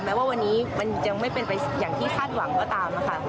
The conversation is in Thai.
แม้ว่าวันนี้มันยังไม่เป็นไปอย่างที่คาดหวังก็ตามนะคะ